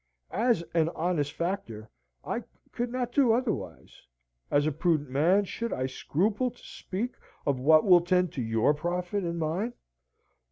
As an honest factor, I could not do otherwise; as a prudent man, should I scruple to speak of what will tend to your profit and mine?